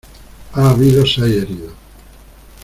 Ha habido seis heridos.